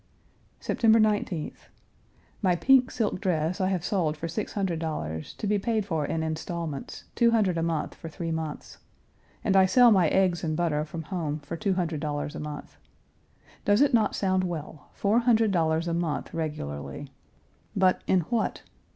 September 19th. My pink silk dress I have sold for $600, to be paid for in instalments, two hundred a month for three months. And I sell my eggs and butter from home for two hundred dollars a month. Does it not sound well four hundred dollars a month regularly. But in what?